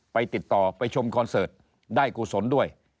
ไปติดต่อไปชมคอนเสิร์ตได้กุศลด้วย